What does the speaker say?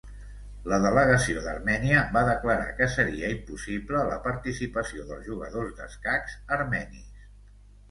La delegació d'Armènia va declarar que seria impossible la participació dels jugadors d'escacs armenis.